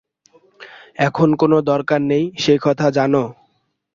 এখন কোনো দরকার নেই, সে কথা জান।